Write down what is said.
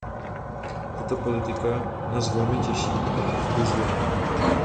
Tato politika nás velmi těší a povzbuzuje.